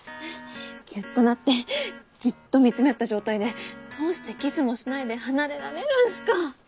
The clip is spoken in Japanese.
ギュっとなってじっと見つめ合った状態でどうしてキスもしないで離れられるんすか！